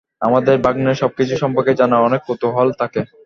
আমাদের ভাগ্নের সবকিছু সম্পর্কে জানার অনেক কৌতূহল থাকে।